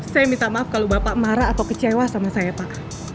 saya minta maaf kalau bapak marah atau kecewa sama saya pak